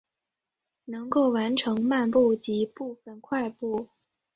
能够完成漫步及部份快步。